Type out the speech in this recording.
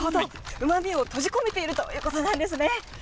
うまみを閉じ込めているということなんですね。